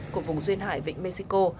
của vùng duyên hải vịnh mexico